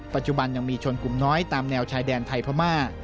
ปัจจุบันยังมีชนกลุ่มน้อยตามแนวชายแดนไทยพม่า